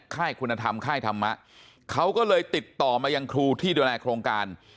ค่ายคุณธรรมค่ายธรรมะเขาก็เลยติดต่อมายังครูที่ดูแลโครงการ